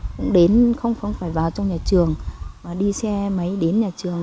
cũng đến không phải vào trong nhà trường mà đi xe máy đến nhà trường